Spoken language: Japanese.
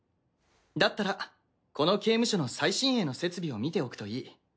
だったらこの刑務所の最新鋭の設備を見ておくといい。